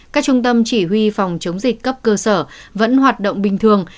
các trung tâm chỉ huy phòng chống dịch cấp cơ sở vẫn hoạt động bình thường